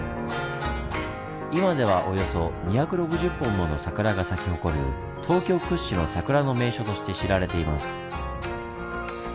今ではおよそ２６０本もの桜が咲き誇る東京屈指の桜の名所として知られています。